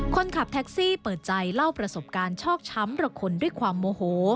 คนขับแท็กซี่เปิดใจเล่าประสบการณ์ชอกช้ำระคนด้วยความโมโห